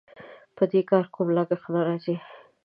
په دې کار کوم لګښت نه راځي.